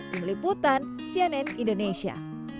meliputan cnn indonesia